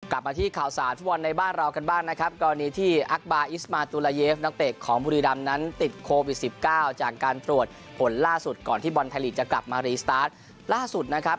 กลับมาที่ข่าวสารฟุตบอลในบ้านเรากันบ้างนะครับกรณีที่อักบาอิสมาตุลาเยฟนักเตะของบุรีดำนั้นติดโควิดสิบเก้าจากการตรวจผลล่าสุดก่อนที่บอลไทยลีกจะกลับมารีสตาร์ทล่าสุดนะครับ